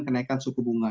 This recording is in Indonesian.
kenaikan suku bunga